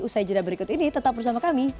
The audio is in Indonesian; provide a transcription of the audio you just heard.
usai jeda berikut ini tetap bersama kami